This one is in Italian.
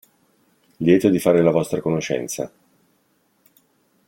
Lieto di fare la vostra conoscenza.